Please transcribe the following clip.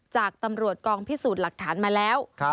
จากตำรวจกองพิสูจน์หลักฐานมาแล้ว